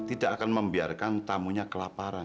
tidak akan membiarkan tamunya kelaparan